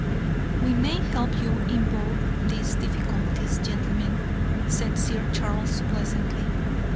"We may help you in both these difficulties, gentlemen," said Sir Charles, pleasantly.